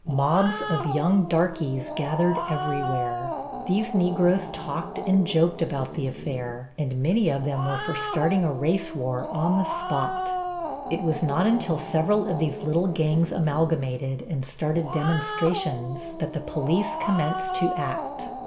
Mobs of young darkies gathered everywhere. These Negroes talked and joked about the affair, and many of them were for starting a race war on the spot. It was not until several of these little gangs amalgamated and started demonstrations that the police commenced to act.